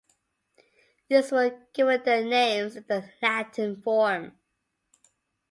These were given their names in the Latin form.